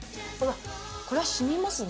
これはしみますね。